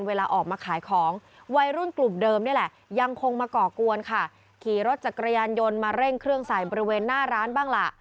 เวลาออกมาขายของ